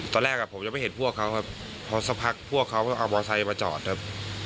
ตอนแรกผมยังไม่เห็นพวกเขาครับพอสักพักพวกเขาก็เอามอไซค์มาจอดครับ